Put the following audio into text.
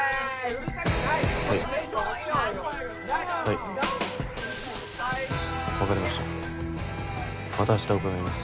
はいはい分かりましたまた明日伺います